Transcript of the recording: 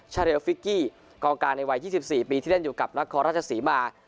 เรียลฟิกกี้กองการในวัย๒๔ปีที่เล่นอยู่กับนครราชศรีมา